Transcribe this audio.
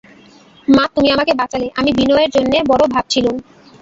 মা, তুমি আমাকে বাঁচালে, আমি বিনয়ের জন্যে বড়ো ভাবছিলুম।